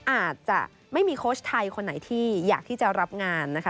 อาจจะไม่มีโค้ชไทยคนไหนที่อยากที่จะรับงานนะคะ